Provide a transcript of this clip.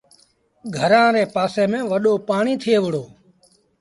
گھرآݩ ري پآسي ميݩ وڏو پآڻيٚ ٿئي وُهڙو۔